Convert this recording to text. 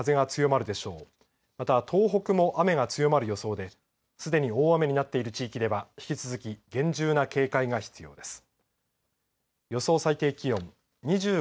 また、東北も雨が強まる予想ですでに大雨になっている地域では引き続き厳重な警戒が必要です。